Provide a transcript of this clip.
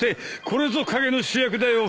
これぞ陰の主役だよ